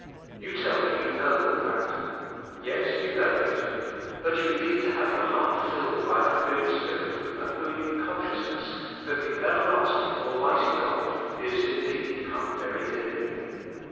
You tell me you know all that. Yes, you know it; but you need to have your heart filled by the Holy Spirit with the holy consciousness that the everlasting, almighty God is indeed come very near you.